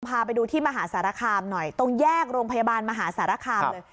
พาไปดูที่มหาสารคามหน่อยตรงแยกโรงพยาบาลมหาสารคามเลย